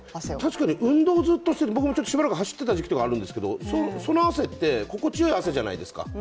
確かに運動をずっと、僕もしばらく走っていたことがあるんですけどその汗って心地よい汗じゃないですか。